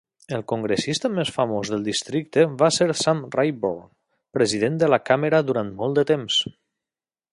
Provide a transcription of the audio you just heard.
El congressista més famós del districte va ser Sam Rayburn, president de la càmera durant molt de temps.